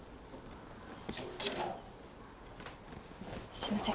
すみません。